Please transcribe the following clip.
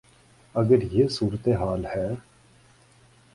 اگر یہ صورتحال ہے۔